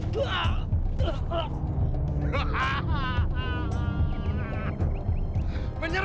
betul ya bapak